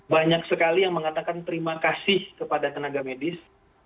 banyak sekali yang mengatakan terima kasih kepada tenaga medis